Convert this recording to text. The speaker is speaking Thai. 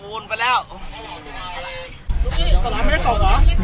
วันนี้เราจะมาจอดรถที่แรงละเห็นเป็น